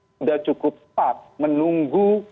sudah cukup sepat menunggu